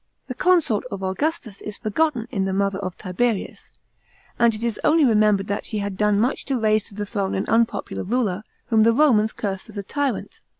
The consort of Augustus is forgotten in the mother of Tiberius ; and it is only remembered that she had done much to raise to the throne an unpopular ruler, whom the Romans cursed as a tyrant.